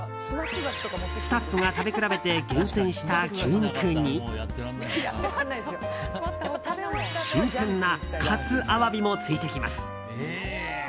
スタッフが食べ比べて厳選した牛肉に新鮮な活アワビもついてきます。